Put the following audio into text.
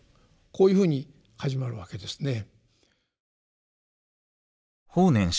こういうふうに始まるわけですね。